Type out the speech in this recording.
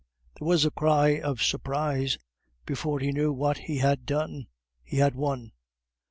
There was a cry of surprise; before he knew what he had done, he had won.